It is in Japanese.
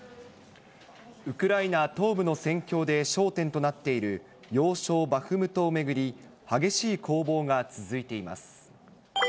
ウクライナ東部の戦況で焦点となっている要衝バフムトを巡り、激しい攻防が続いています。